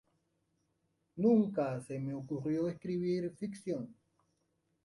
Nunca se me ocurrió escribir ficción.